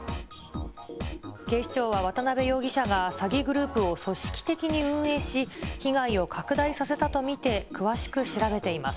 警視庁は渡辺容疑者が詐欺グループを組織的に運営し、被害を拡大させたと見て詳しく調べています。